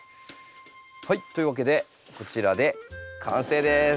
はいというわけでこちらで完成です。